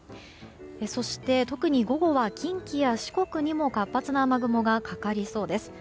そして、特に午後は近畿や四国にも活発な雨雲がかかりそうです。